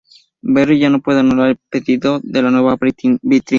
Berri ya no puede anular el pedido de la nueva vitrina.